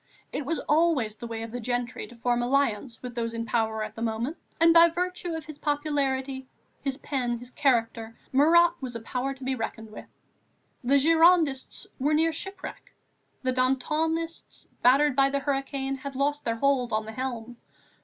It was always the way of these gentry to form alliance with those in power at the moment, and by virtue of his popularity, his pen, his character, Marat was a power to be reckoned with. The Girondists were near shipwreck; the Dantonists, battered by the hurricane, had lost their hold on the helm.